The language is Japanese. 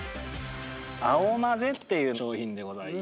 青混っていう商品でございます。